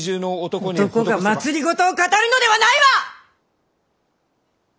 男が政を語るのではないわぁ！